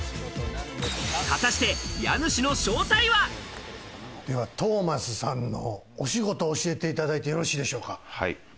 果たして家主の正体ではトーマスさんのお仕事を教えていただいてよろしいでしょうか？